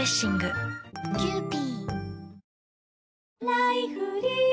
「ライフリー」